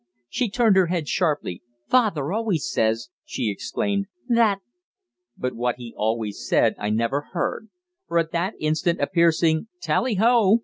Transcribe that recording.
She turned her head sharply. "Father always says," she exclaimed, "that " But what he always said I never heard, for at that instant a piercing "Tally ho!"